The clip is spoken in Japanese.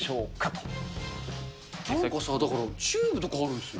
だから、チューブとかあるんですよ。